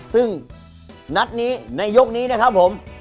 ซึ่งนัดนี้ในยกนี้นะครับผม